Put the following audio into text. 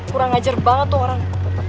kurang ajar banget tuh orang